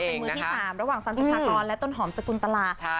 เป็นมือที่๓ระหว่างสันประชากรและต้นหอมสกุลตลา